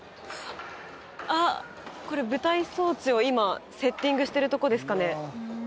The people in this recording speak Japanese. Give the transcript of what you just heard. あっこれ舞台装置を今セッティングしてるとこですかね？